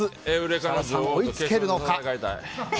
設楽さん、追いつけるのか。